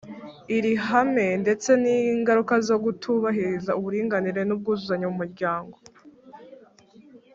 iri hame, ndetse n’ingaruka zo kutubahiriza uburinganire n’ubwuzuzanye mu muryango?